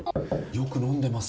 よく飲んでます。